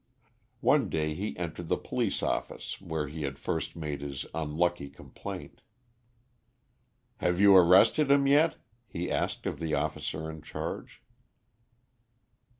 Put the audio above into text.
One day he entered the police office where he had first made his unlucky complaint. "Have you arrested him yet?" he asked of the officer in charge.